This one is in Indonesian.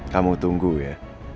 kamu tunggu ya